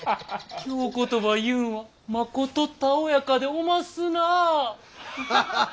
京言葉いうんはまことたおやかでおますなぁ。